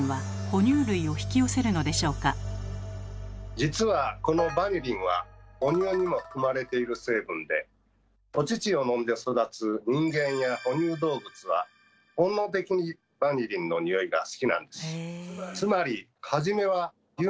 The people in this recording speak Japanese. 実はこのバニリンは母乳にも含まれている成分でお乳を飲んで育つ人間や哺乳動物は本能的にバニリンのにおいが好きなんです。